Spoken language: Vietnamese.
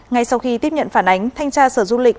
ngay sau khi tiếp nhận phản ánh thanh tra sở du lịch